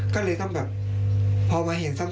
ก็เลยต้องแบบพอมาเห็นสัก